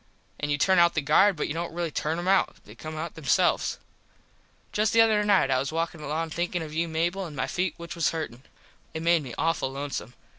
An you turn out the guard but you dont really turn em out. They come out them selves. Just the other night I was walkin along thinkin of you Mable an my feet which was hurtin. It made me awful lonesome.